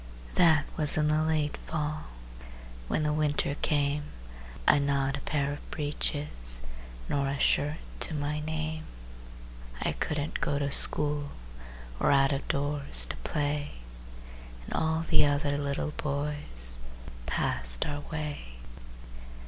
That was in the late fall. When the winter came, I'd not a pair of breeches Nor a shirt to my name. I couldn't go to school, Or out of doors to play. And all the other little boys Passed our way.